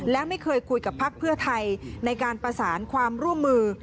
และไม่เคยคุยกับพักเพื่อไทยในการประสานความร่วมมือ